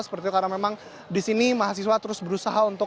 seperti itu karena memang di sini mahasiswa terus berusaha untuk